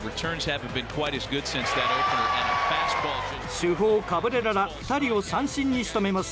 主砲カブレラら２人を三振に仕留めます。